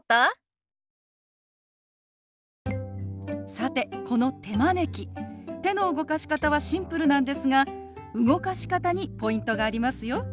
さてこの手招き手の動かし方はシンプルなんですが動かし方にポイントがありますよ。